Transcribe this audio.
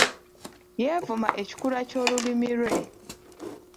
Yeevuma ekikula ky’olulimi lwe.